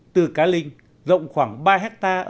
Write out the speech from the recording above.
tỉnh cá linh rộng khoảng ba hectare